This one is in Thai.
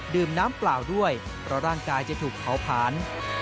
ดื่มน้ำเปล่าด้วยเพราะร่างกายจะถูกเผาผ่าน